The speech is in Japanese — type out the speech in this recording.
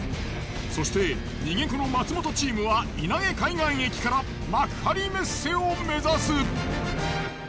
そして逃げ子の松本チームは稲毛海岸駅から幕張メッセを目指す。